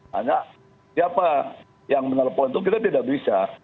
karena siapa yang menelpon itu kita tidak bisa